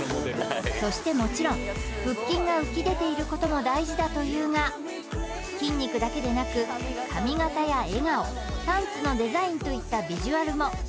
そしてもちろん腹筋が浮き出ていることも大事だというが筋肉だけでなく髪形や笑顔パンツのデザインといったビジュアルも審査対象になるのだとか